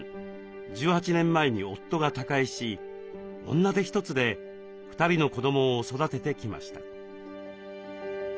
１８年前に夫が他界し女手一つで２人の子どもを育ててきました。